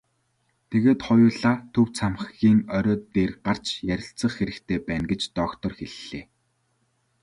Тэгээд хоёулаа төв цамхгийн орой дээр гарч ярилцах хэрэгтэй байна гэж доктор хэллээ.